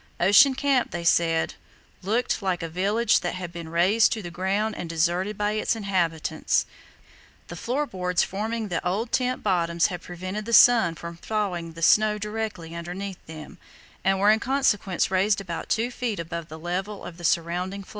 Ocean Camp, they said, "looked like a village that had been razed to the ground and deserted by its inhabitants." The floor boards forming the old tent bottoms had prevented the sun from thawing the snow directly underneath them, and were in consequence raised about two feet above the level of the surrounding floe.